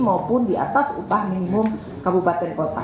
maupun di atas upah minimum kabupaten kota